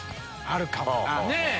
あるかもな。